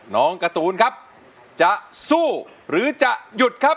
การ์ตูนครับจะสู้หรือจะหยุดครับ